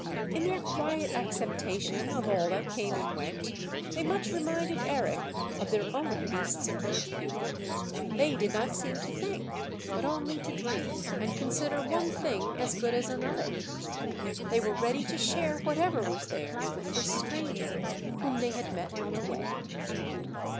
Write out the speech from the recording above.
In their quiet acceptation of all that came and went, they much reminded Eric of their own beasts of burden. They did not seem to think, but only to dream, and consider one thing as good as another; they were ready to share whatever was theirs with this stranger whom they had met on the way.